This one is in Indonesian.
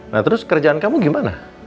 nah terus kerjaan kamu gimana